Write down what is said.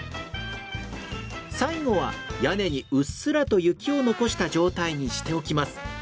最後は屋根にうっすらと雪を残した状態にしておきます。